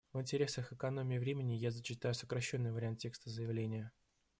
В интересах экономии времени я зачитаю сокращенный вариант текста заявления.